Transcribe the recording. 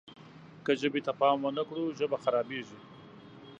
که ژبې ته پام ونه کړو ژبه خرابېږي.